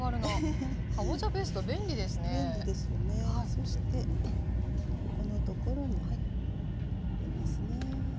そしてここのところに入れますね。